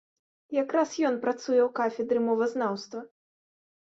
Якраз ён працуе ў кафедры мовазнаўства.